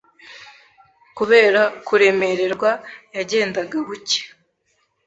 Kubera kuremererwa yagendaga buke